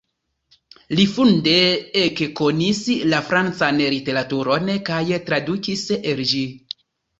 Li funde ekkonis la francan literaturon kaj tradukis el ĝi.